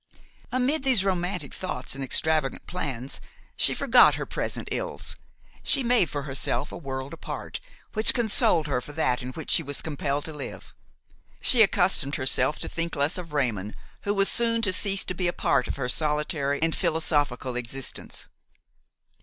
Amid these romantic thoughts and extravagant plans she forgot her present ills; she made for herself a world apart, which consoled her for that in which she was compelled to live; she accustomed herself to think less of Raymon, who was soon to cease to be a part of her solitary and philosophical existence.